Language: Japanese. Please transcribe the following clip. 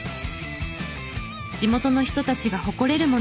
地元の人たちが誇れるものを作ろう！